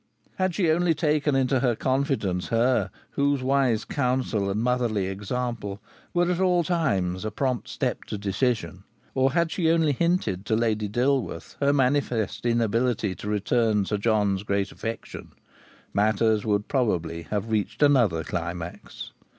Had she only taken into her confidence her whose wise counsel and motherly example were at all times a prompt step to decision; or had she only hinted to Lady Dilworth her manifest inability to return Sir John's great affection, matters would probably have reached another climax.